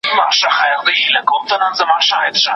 جهاني لرم په زړه کي لویه خدایه یوه هیله